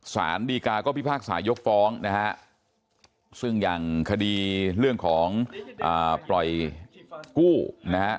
สารดีกาก็พิพากษายกฟ้องนะฮะซึ่งอย่างคดีเรื่องของปล่อยกู้นะฮะ